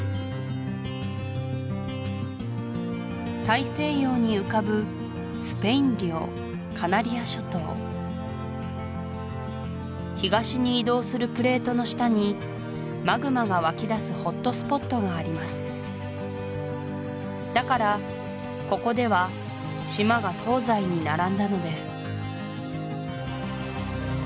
大西洋に浮かぶスペイン領カナリア諸島東に移動するプレートの下にマグマが湧き出すホットスポットがありますだからここでは島が東西に並んだのです